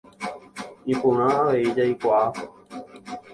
Iporã avei jaikuaa.